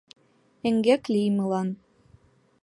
Эҥгек лиймылан